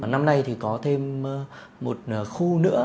năm nay thì có thêm một khu nữa